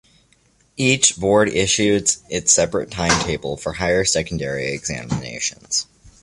Each board issues its separate time table for higher secondary examinations.